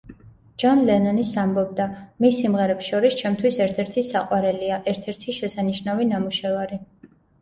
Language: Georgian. ჯონ ლენონის ამბობდა: „მის სიმღერებს შორის ჩემთვის ერთ-ერთი საყვარელია, ერთ-ერთი შესანიშნავი ნამუშევარი“.